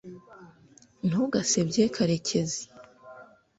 ntugasebye karekezi